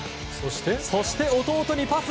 そして、弟にパス。